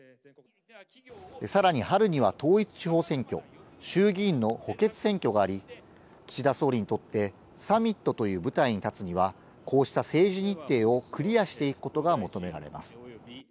さらに春には統一地方選挙、衆議院の補欠選挙があり、岸田総理にとってサミットという舞台に立つには、こうした政治日程をクリアしていくことが求められます。